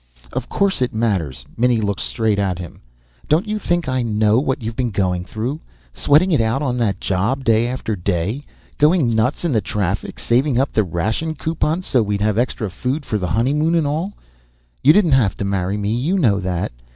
"Of course it matters." Minnie looked straight at him. "Don't you think I know what you been going through? Sweating it out on that job day after day, going nuts in the traffic, saving up the ration coupons so's we'd have extra food for the honeymoon and all? "You didn't have to marry me, you know that.